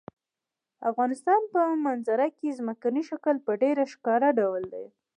د افغانستان په منظره کې ځمکنی شکل په ډېر ښکاره ډول دی.